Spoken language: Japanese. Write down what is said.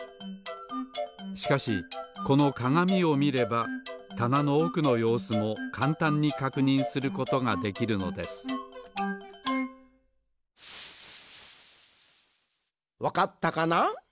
しかしこのかがみをみればたなのおくのようすもかんたんにかくにんすることができるのですわかったかな？